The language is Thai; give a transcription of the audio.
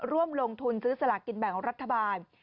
ร่วมลงทุนซื้อสลากินแบ่งของรัฐบาล